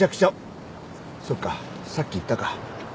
そっかさっき言ったか。